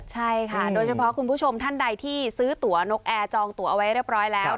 ใช่ค่ะโดยเฉพาะคุณผู้ชมท่านใดที่ซื้อตัวนกแอร์จองตัวเอาไว้เรียบร้อยแล้ว